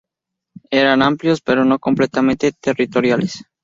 Eran amplios, pero no completamente territoriales.